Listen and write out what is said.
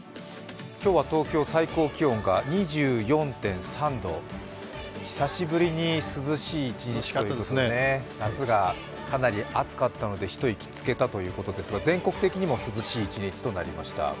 今日は東京、最高気温が２４．３度、久しぶりに涼しい一日ということで、夏がかなり暑かったので一息つけたということですが全国的にも涼しい一日となりました。